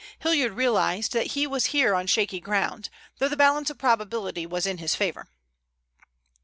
Hilliard realized that he was here on shaky ground, though the balance of probability was in his favor.